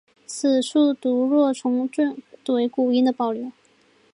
此处读若重唇是古音的保留。